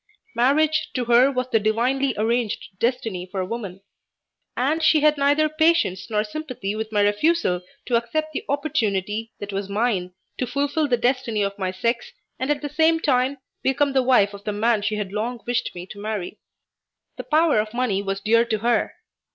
Marriage to her was the divinely arranged destiny for a woman, and she had neither patience nor sympathy with my refusal to accept the opportunity that was mine to fulfil the destiny of my sex and at the same time become the wife of the man she had long wished me to marry. The power of money was dear to her.